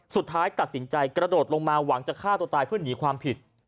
สุดท้ายตัดสินใจกระโดดลงมาหวังจะฆ่าตัวตายเพื่อหนีความผิด